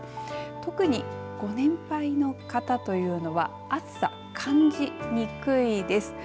特にご年配の方というのは暑さ感じにくいです。